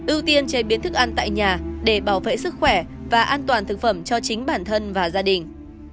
ưu tiên chế biến thức ăn tại nhà để bảo vệ sức khỏe và an toàn thực phẩm cho chính bản thân và gia đình